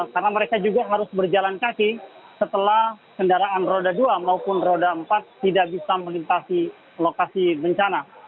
karena mereka juga harus berjalan kaki setelah kendaraan roda dua maupun roda empat tidak bisa melintasi lokasi bencana